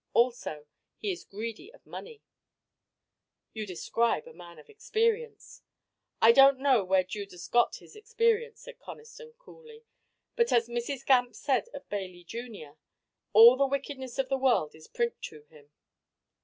Also, he is greedy of money " "You describe a man of experience." "I don't know where Judas got his experience," said Conniston, coolly, "but as Mrs. Gamp said of Bailly, junior, 'All the wickedness of the world is print to him.'"